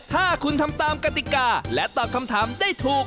ถ้าคุณทำตามกติกาและตอบคำถามได้ถูก